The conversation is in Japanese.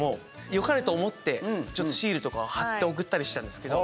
よかれと思ってシールとか貼って送ったりしてたんですけど。